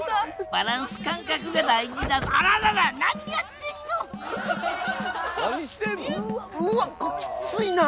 バランス感覚が大事だあららら何やってんの！